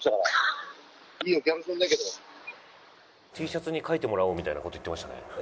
Ｔシャツに描いてもらおうみたいな事言ってましたね。